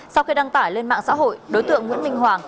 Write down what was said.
sau khi đăng tải lên mạng xã hội đối tượng nguyễn minh hoàng